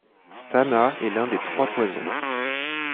Taṇhā est l'un des Trois Poisons.